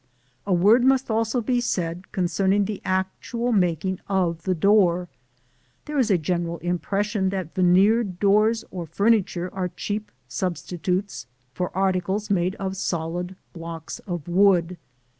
A word must also be said concerning the actual making of the door. There is a general impression that veneered doors or furniture are cheap substitutes for articles made of solid blocks of wood.